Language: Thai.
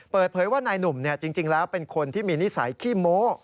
เปิดเผยว่านายหนุ่มจริงแล้วเป็นคนที่มีนิสัยขี้โม้